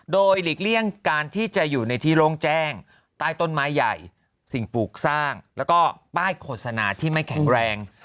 โดยหลีกเลี่ยงการที่จะอยู่ในที่โล่งแจ้งใต้ต้นไม้ใหญ่สิ่งปลูกสร้างแล้วก็ป้ายโฆษณาที่ไม่แข็งแรง